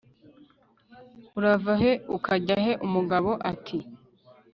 urava he ukajya he umugabo ati